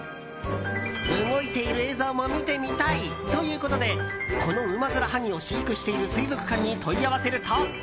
動いている映像も見てみたいということでこのウマヅラハギを飼育している水族館に問い合わせると。